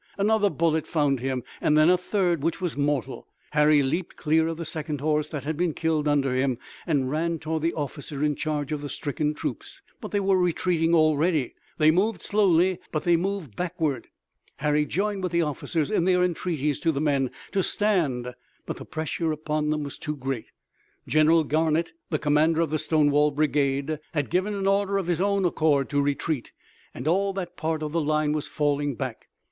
Another bullet found him, and then a third, which was mortal. Harry leaped clear of the second horse that had been killed under him, and ran toward the officer in charge of the stricken troops. But they were retreating already. They moved slowly, but they moved backward. Harry joined with the officers in their entreaties to the men to stand, but the pressure upon them was too great. General Garnett, the commander of the Stonewall Brigade, had given an order of his own accord to retreat, and all that part of the line was falling back.